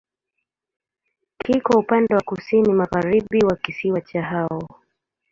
Kiko upande wa kusini-magharibi wa kisiwa cha Hao.